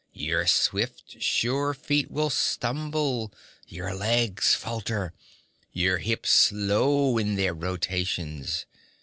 Your swift, sure feet will stumble, your legs falter, your hips slow in their rotations.